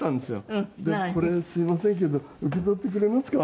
でこれすいませんけど受け取ってくれますか？